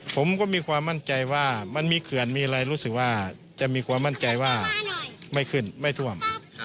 ผมก็มีความมั่นใจว่ามันมีเขื่อนมีอะไรรู้สึกว่าจะมีความมั่นใจว่าไม่ขึ้นไม่ท่วม